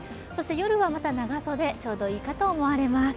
夜はまた長袖、ちょうどいいかと思われます。